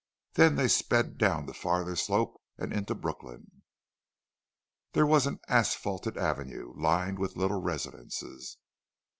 Then they sped down the farther slope, and into Brooklyn. There was an asphalted avenue, lined with little residences.